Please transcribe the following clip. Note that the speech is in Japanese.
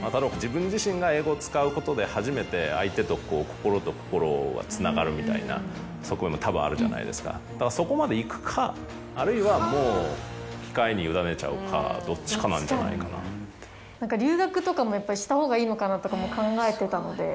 例えば自分自身が英語を使うことで初めて相手と心と心がつながるみたいな側面もたぶんあるじゃないですかだからそこまでいくかあるいはもう機械に委ねちゃうかどっちかなんじゃないかなって。とかも考えてたので。